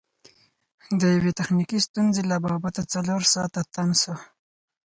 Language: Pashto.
د یوې تخنیکي ستونزې له با بته څلور ساعته تم سو.